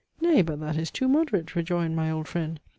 "Nay, but that is too moderate!" rejoined my old friend.